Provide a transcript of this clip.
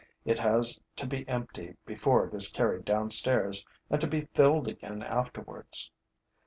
It has to be emptied before it is carried downstairs and to be filled again afterwards.